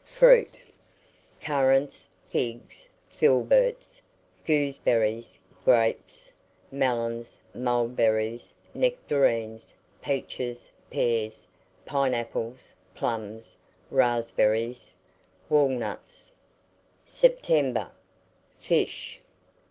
FRUIT. Currants, figs, filberts, gooseberries, grapes, melons, mulberries, nectarines, peaches, pears, pineapples, plums, raspberries, walnuts. SEPTEMBER. FISH.